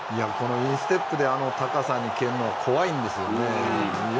インステップであの高さに蹴るのは怖いんですよね。